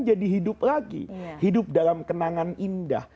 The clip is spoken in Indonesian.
jadi hidup lagi hidup dalam kenangan indah